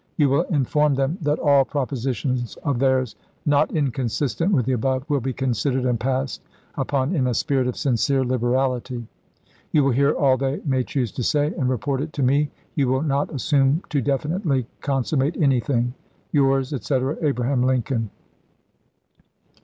You will inform them that all propositions of theirs, not inconsistent with the above, will be considered and passed upon in a spirit of sincere liberality. You will hear all they may choose to say, and report it to me. You will not assume to definitely con summate anything. Yours, etc., Abraham Lincoln.